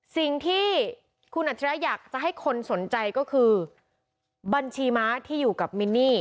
สิ่งที่คุณอัจฉริยะอยากจะให้คนสนใจก็คือบัญชีม้าที่อยู่กับมินนี่